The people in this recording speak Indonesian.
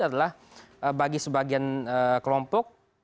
adalah bagi sebagian kelompok